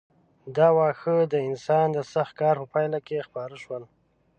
دا واښه د انسان د سخت کار په پایله کې خپاره شول.